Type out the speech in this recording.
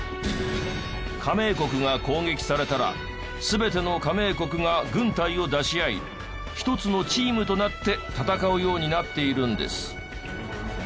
加盟国が攻撃されたら全ての加盟国が軍隊を出し合い一つのチームとなって戦うようになっているんです。